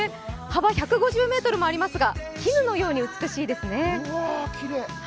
幅１５０ｍもありますが、絹のように美しいですね。